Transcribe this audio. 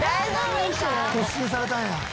突進されたんや。